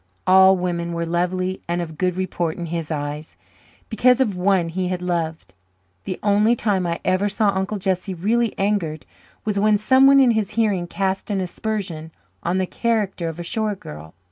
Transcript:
All women were lovely and of good report in his eyes, because of one he had loved. The only time I ever saw Uncle Jesse really angered was when someone in his hearing cast an aspersion on the character of a shore girl.